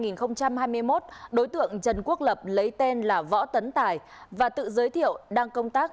năm hai nghìn hai mươi một đối tượng trần quốc lập lấy tên là võ tấn tài và tự giới thiệu đang công tác